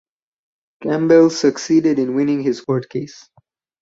Campbell succeeded in winning his court case.